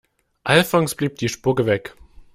Alfons blieb die Spucke weg.